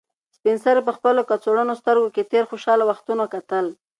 سپین سرې په خپل کڅوړنو سترګو کې تېر خوشحاله وختونه کتل.